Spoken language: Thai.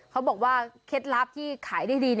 เขาบอกว่าเคล็ดลับที่ขายได้ดี